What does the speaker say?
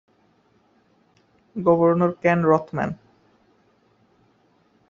Governor Ken Rothman.